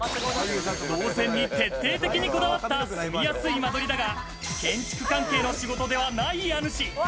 動線に徹底的にこだわった住みやすい間取りだが、建築関係の仕事ではない家主。